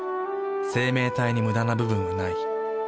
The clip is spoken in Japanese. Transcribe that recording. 生命体にムダな部分はない。